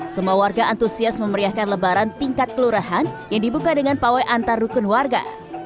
semua warga antusias memeriahkan lebaran tingkat kelurahan yang dibuka dengan pawai antar rukun warga